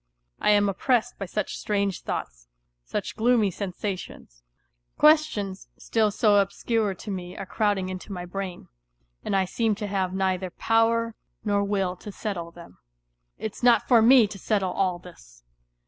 I am oppressed by such strange thoughts, such gloomy sensations ; questions still so obscure to me are crowding into my brain and I seem to have neither power nor will to settle them. It's not for me to settle all this